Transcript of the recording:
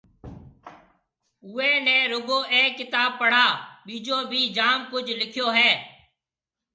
اُوئي نِي رُگو اَي ڪتآب پآ ٻِجو ڀِي جآم ڪجه لِکيو هيَ۔